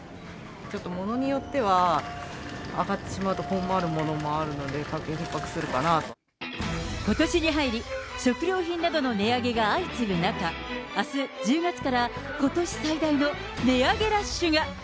ちょっと物によっては、上がってしまうと困るものもあるので、ことしに入り、食料品などの値上げが相次ぐ中、あす１０月から、ことし最大の値上げラッシュが。